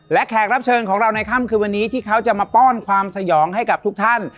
และแขกรับเชิญของเราในค่ำคืนวันนี้ที่เขาจะมาป้อนความสยองให้กับทุกท่าน